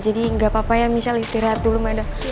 jadi gak apa apa ya michelle istirahat dulu madame